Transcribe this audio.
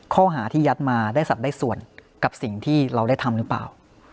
ข้อหาที่ยัดมาได้สัตว์ได้ส่วนกับสิ่งที่เราได้ทำหรือเปล่า